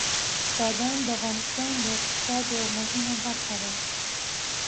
بادام د افغانستان د اقتصاد یوه مهمه برخه ده.